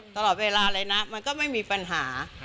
ตลอดเวลาเลยนะมันก็ไม่มีปัญหา